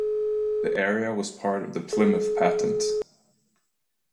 The area was part of the Plymouth Patent.